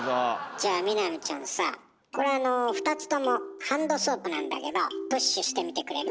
じゃあ美波ちゃんさこれはあの２つともハンドソープなんだけどプッシュしてみてくれる？